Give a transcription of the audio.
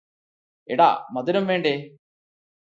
എടാ മധുരം വേണ്ടേ?